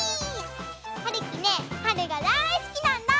はるきねはるがだいすきなんだ！